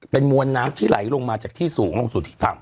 เป็นมวลน้ำที่ไหลลงมาจากที่สูงลงสู่ที่ต่ำ